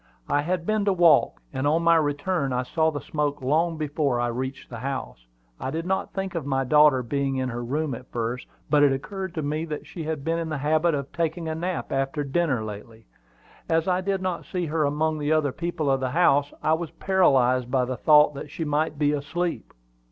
"I had been to walk; and on my return I saw the smoke long before I reached the house. I did not think of my daughter being in her room at first, but it occurred to me that she has been in the habit of taking a nap after dinner lately. As I did not see her among the other people of the house, I was paralyzed by the thought that she might be asleep."